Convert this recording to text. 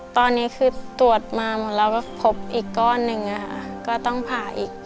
ตอนนี้คือตรวจมาหมดแล้วก็พบอีกก้อนหนึ่งก็ต้องผ่าอีก